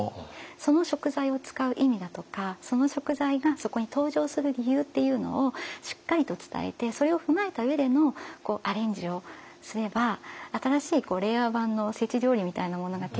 その食材を使う意味だとかその食材がそこに登場する理由っていうのをしっかりと伝えてそれを踏まえた上でのアレンジをすれば新しい令和版のおせち料理みたいなものが定番として定着していく。